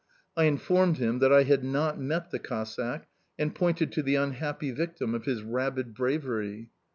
I informed him that I had not met the Cossack and pointed to the unhappy victim of his rabid bravery.